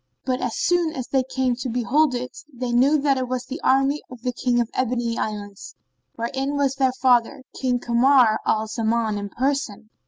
But as soon as they came to it behold, they knew that it was the army of the King of the Ebony Islands, wherein was their father, King Kamar al Zaman in person.